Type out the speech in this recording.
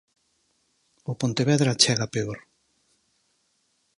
O Pontevedra chega peor.